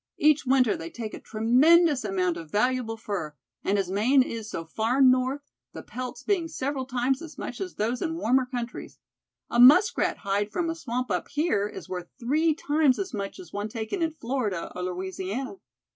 Each winter they take a tremendous amount of valuable fur; and as Maine is so far north, the pelts being several times as much as those in warmer countries. A muskrat hide from a swamp up here, is worth three times as much as one taken in Florida or Louisiana.